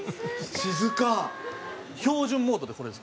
水田：標準モードで、これです。